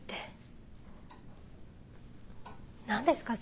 何ですか？